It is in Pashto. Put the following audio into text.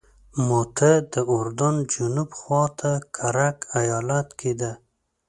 موته د اردن جنوب خواته کرک ایالت کې ده.